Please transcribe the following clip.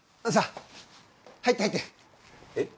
えっ？